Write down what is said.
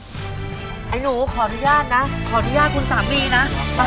ไอ้หนูขออนุญาตนะขออนุญาตคุณสามีนะ